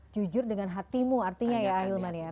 jujur dengan hatimu artinya ya ahilman ya